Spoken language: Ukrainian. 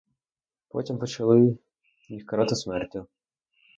Потім почали їх карати смертю.